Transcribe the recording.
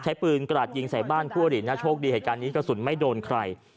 ใช้ปืนกระดาษยิงใส่บ้านคู่อดีตนะโชคดีเหตุการณ์นี้กระสุนไม่โดนใคร